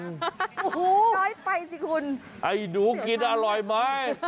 ช่อยไปสิคุณไอดูกินอร่อยมั้ย